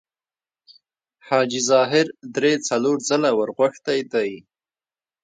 حاجي ظاهر درې څلور ځله ورغوښتی دی.